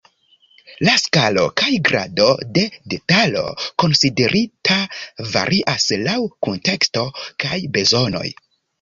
La skalo kaj grado de detalo konsiderita varias laŭ kunteksto kaj bezonoj.